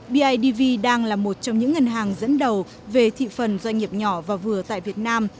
bidv đang là một trong những ngân hàng dẫn đầu về thị phần doanh nghiệp nhỏ và vừa tại việt nam